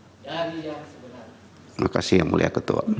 terima kasih yang mulia ketua